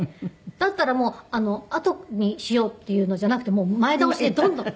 だったらもうあとにしようっていうのじゃなくて前倒しでどんどん。